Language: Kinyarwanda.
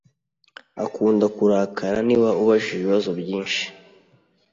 Akunda kurakara niba ubajije ibibazo byinshi.